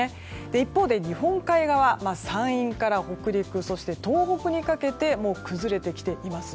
一方で日本海側、山陰から北陸そして東北にかけてもう崩れてきています。